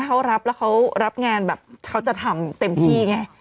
เขารับแล้วเขารับงานแบบเขาจะทำเต็มที่ไง